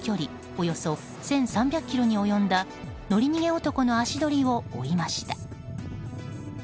およそ１３００ｋｍに及んだ乗り逃げ男の足取りを追いました。